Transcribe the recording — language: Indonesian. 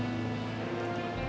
dia mau usaha jualan burayot